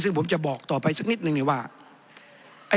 ซึ่งผมจะบอกต่อไปสักนิดนึงว่า